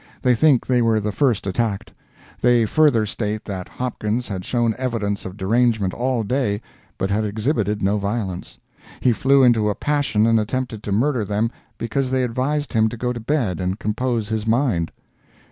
They think they were the first attacked. They further state that Hopkins had shown evidence of derangement all day, but had exhibited no violence. He flew into a passion and attempted to murder them because they advised him to go to bed and compose his mind.